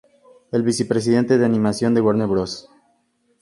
El vicepresidente de animación de Warner Bros.